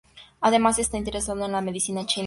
Además está interesado en la medicina china.